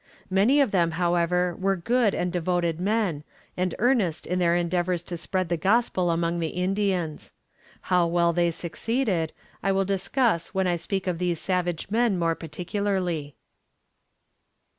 Many of them, however, were good and devoted men, and earnest in their endeavors to spread the gospel among the Indians. How well they succeeded, I will discuss when I speak of these savage men more particularly.